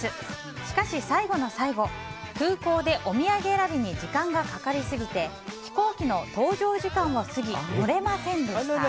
しかし、最後の最後空港で、お土産選びに時間がかかりすぎて飛行機の搭乗時間を過ぎ乗れませんでした。